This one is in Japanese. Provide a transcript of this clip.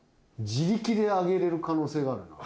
自力で上げられる可能性があるな。